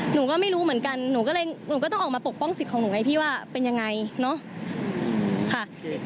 หนูก็ไม่รู้เหมือนกันหนูก็เลยหนูก็ต้องออกมาปกป้องสิทธิ์ของหนูไงพี่ว่าเป็นยังไงเนาะค่ะ